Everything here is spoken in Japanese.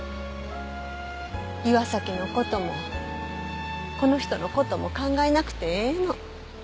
岩崎の事もこの人の事も考えなくてええの。